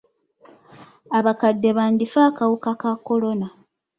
Abakadde bandifa akawuka ka kolona.